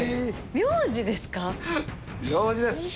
名字です！